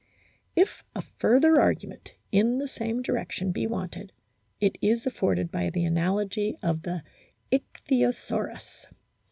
If a further argument in the same direction be wanted, it is afforded by the analogy of the Ichthyo saurus.